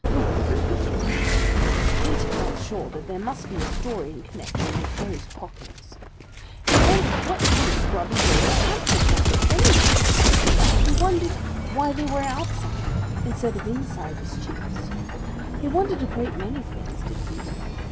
Who wouldn't be curious? Peter felt sure that there must be a story in connection with those pockets. He wondered what use Grubby Gopher had for pockets, anyway. He wondered why they were outside instead of inside his cheeks. He wondered a great many things, did Peter.